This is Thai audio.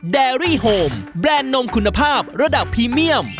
แอรี่โฮมแบรนด์นมคุณภาพระดับพรีเมียม